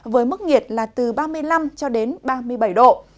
với mức nhiệt là từ ba mươi năm ba mươi bảy độ